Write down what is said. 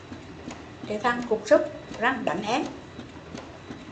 Cái thằng cục súc, răng đánh em